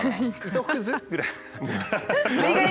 「糸くず？」ぐらい。